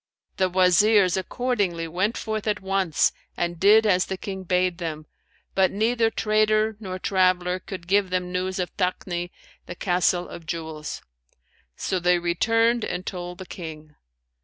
The Wazirs accordingly went forth at once and did as the King bade them, but neither trader nor traveller could give them news of Takni, the Castle of Jewels; so they returned and told the King.